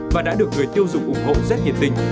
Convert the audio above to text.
và đã được người tiêu dụng ủng hộ rất nhiệt tình